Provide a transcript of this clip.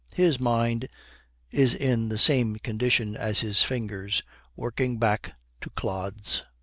His mind is in the same condition as his fingers, working back to clods.